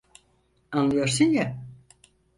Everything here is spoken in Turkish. Anlıyorsun ya?